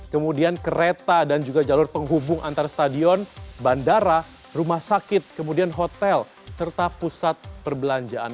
kemudian kereta dan juga jalur penghubung antara stadion bandara rumah sakit kemudian hotel serta pusat perbelanjaan